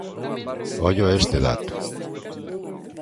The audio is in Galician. Ollo a este dato.